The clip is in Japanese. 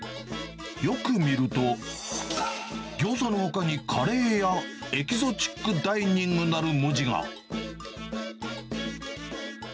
よく見ると、ギョーザのほかにカレーや、エキゾチックダイニングなる文字が。